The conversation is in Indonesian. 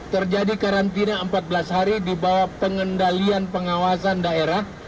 terjadi karantina empat belas hari di bawah pengendalian pengawasan daerah